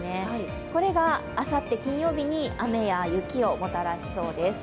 これがあさって金曜日に雨や雪をもたらすそうです。